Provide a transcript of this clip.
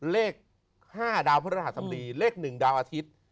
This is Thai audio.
เลข๕ดาวพระราชสมดีเลข๑ดาวอาทิตย์